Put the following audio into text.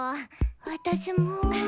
私も。